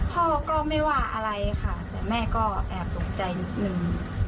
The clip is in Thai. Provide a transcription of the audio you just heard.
พ่อก็ไม่ว่าอะไรค่ะแต่แม่ก็แอบตกใจนิดนึง